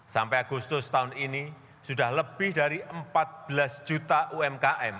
sampai agustus tahun ini sudah lebih dari empat belas juta umkm